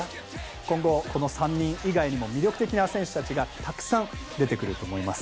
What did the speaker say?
今後、この３人以外にも魅力的な選手たちがたくさん出てくると思います。